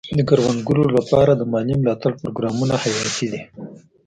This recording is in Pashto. د کروندګرو لپاره د مالي ملاتړ پروګرامونه حیاتي دي.